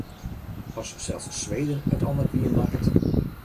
As sels Sweden it al net wiermakket.